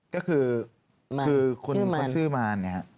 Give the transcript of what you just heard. ก็คือคุณชื่อมาน